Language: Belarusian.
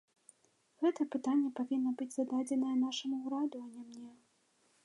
Гэта пытанне павінна быць зададзенае нашаму ўраду, а не мне.